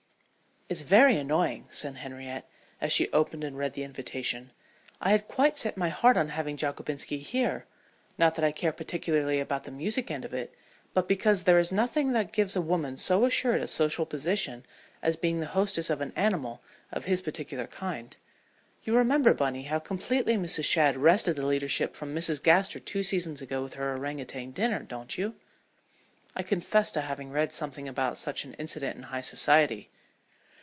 "It's very annoying," said Henriette, as she opened and read the invitation. "I had quite set my heart on having Jockobinski here. Not that I care particularly about the music end of it, but because there is nothing that gives a woman so assured a social position as being the hostess of an animal of his particular kind. You remember, Bunny, how completely Mrs. Shadd wrested the leadership from Mrs. Gaster two seasons ago with her orang outang dinner, don't you?" I confessed to having read something about such an incident in high society.